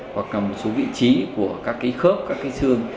hoặc là một số vị trí của các cái khớp các cái xương